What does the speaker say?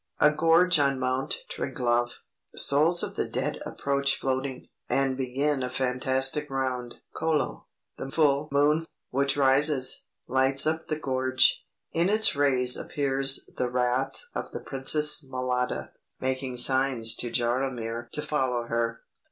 A gorge on Mount Triglav. Souls of the dead approach floating, and begin a fantastic round (Kolo). The full moon, which rises, lights up the gorge; in its rays appears the wraith of the princess Mlada, making signs to Jaromir to follow her.